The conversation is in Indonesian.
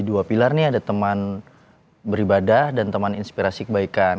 dua pilar nih ada teman beribadah dan teman inspirasi kebaikan